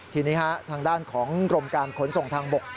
ทีนี้ทางด้านของกรมการขนส่งทางบก